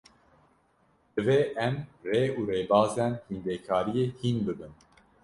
Divê em, rê û rêbazên hîndekariyê hîn bibin